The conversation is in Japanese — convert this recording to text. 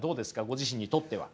ご自身にとっては。